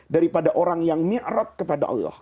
daripada orang yang mikrot kepada allah